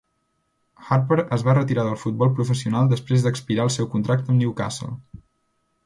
Harper es va retirar del futbol professional després d'expirar el seu contracte amb Newcastle.